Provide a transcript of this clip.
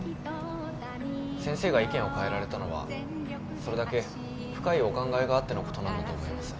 先生が意見を変えられたのはそれだけ深いお考えがあってのことなんだと思います。